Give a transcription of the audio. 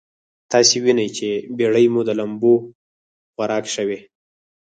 تاسې وينئ چې بېړۍ مو د لمبو خوراک شوې.